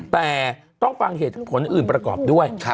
แต่ต้องฟังเหตุผลอื่นประกอบด้วย